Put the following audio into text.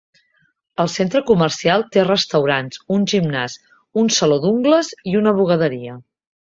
El centre comercial té restaurants, un gimnàs, un saló d'ungles i una bugaderia.